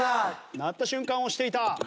鳴った瞬間押していた。